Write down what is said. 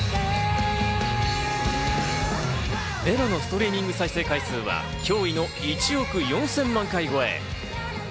『Ｍｅｌａ！』のストリーミング再生回数は驚異の１億４０００万回超え。